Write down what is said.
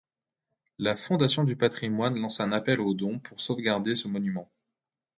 La Fondation du patrimoine lance un appel aux dons pour sauvegarder ce monument.